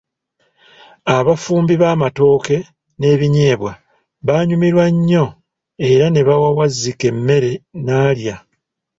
Abafumbi bamatooke nebinnyeebwa baanyumirwa nnyo era ne bawa Wazzike emmere nalya.